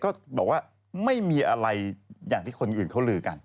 ก็บอกว่าไม่มีอะไรอย่างที่คนอื่นเขาลือกัน